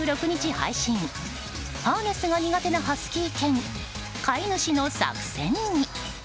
配信ハーネスが苦手なハスキー犬飼い主の作戦に。